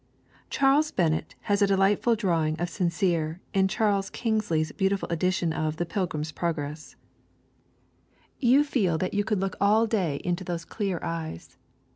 Charles Bennett has a delightful drawing of Sincere in Charles Kingsley's beautiful edition of The Pilgrim's Progress. You feel that you could look all day into those clear eyes.